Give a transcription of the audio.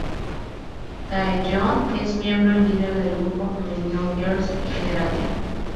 Taeyeon es miembro y líder del grupo femenino Girls' Generation.